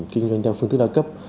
kinh doanh theo phương thức đa cấp